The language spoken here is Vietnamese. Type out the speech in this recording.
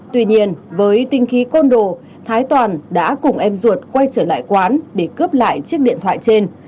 tuy nhiên với tinh khí côn đồ thái toàn đã cùng em ruột quay trở lại quán để cướp lại chiếc điện thoại trên